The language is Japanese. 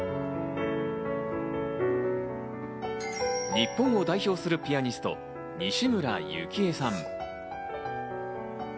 日本を代表するピアニスト・西村由紀江さん。